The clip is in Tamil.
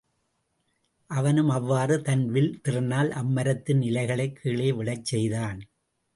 அவனும் அவ்வாறு தன் வில் திறனால் அம்மரத்தின் இலைகளைக் கீழே விழச் செய்தான்.